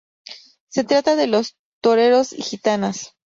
Se trata de los toreros y gitanas.